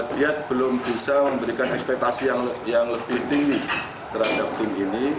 dia belum bisa memberikan ekspektasi yang lebih tinggi terhadap tim ini